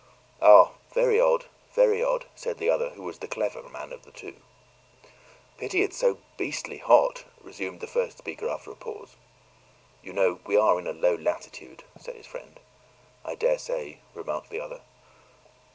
"Ah, very odd, very odd," said the other, who was the clever man of the two. "Pity it's so beastly hot," resumed the first speaker after a pause. "You know we are in a low latitude," said his friend. "I daresay," remarked the other.